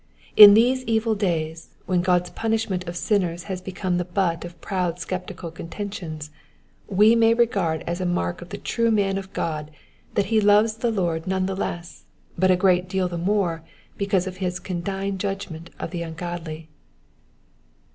In these evil days, when God's punishment of sinners has become the butt of proud sceptical contentions, we may regard as a mark of the true man of God that he loves the Lord none the less, but a great deal the more because of his condign judgment of the ungodly.